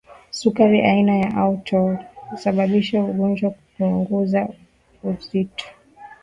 sukari aina ya auto husababisha mgonjwa kupungua uzito